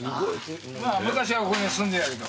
昔はここに住んでたけど。